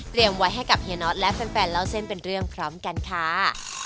ไว้ให้กับเฮียน็อตและแฟนเล่าเส้นเป็นเรื่องพร้อมกันค่ะ